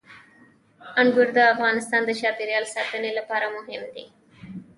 انګور د افغانستان د چاپیریال ساتنې لپاره مهم دي.